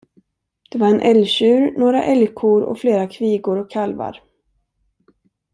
Det var en älgtjur, några älgkor och flera kvigor och kalvar.